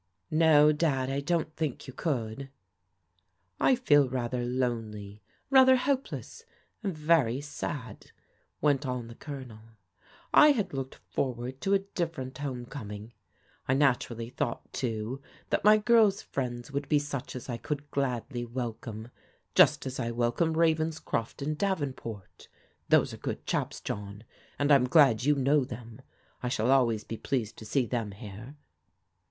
'*" No, Dad, I don't think you could." "I feel rather lonely, rather helpless, and very sad," went on the Colonel. " I had looked forward to a differ ent home coming. I naturally thought, too, that my girls' friends would be such as I could gladly welcome, just as I welcome Ravenscroft and Davenport. Those are good chaps, John, and I'm glad you know them. I shall al ways be pleased to see them here."